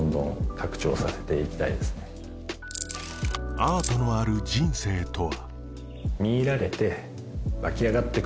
アートのある人生とは？